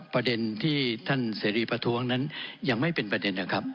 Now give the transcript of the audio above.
ประเด็นที่ท่านเสรีประท้วงนั้นยังไม่เป็นประเด็นนะครับ